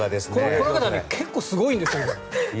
この方、結構すごいんですよ。